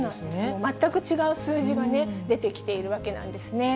全く違う数字が出てきているわけなんですね。